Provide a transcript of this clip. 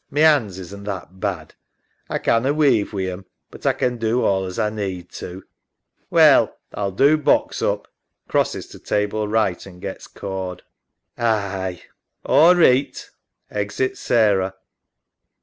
My 'ands isn't that bad. A canna weave wi' 'em, but A can do all as A need to. EMMA. Well, A'll do box up. [Crosses to table right and gets cord. SARAH. Aye. EMMA. All reeght. {Exit Sarah.